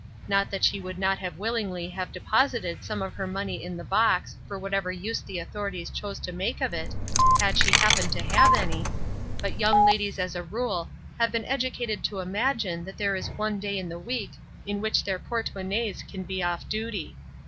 Not that she would not willingly have deposited some of her money in the box for whatever use the authorities chose to make of it had she happened to have any; but young ladies as a rule have been educated to imagine that there is one day in the week in which their portmonnaies can be off duty.